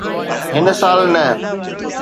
هن سال نه